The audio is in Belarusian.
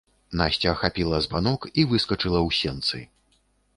Насця хапіла збанок і выскачыла ў сенцы.